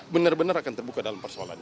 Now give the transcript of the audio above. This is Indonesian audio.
bener bener akan terbuka dalam persoalan ini